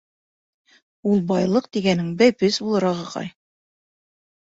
— Ул байлыҡ тигәнең бәпес булыр, ағаҡай.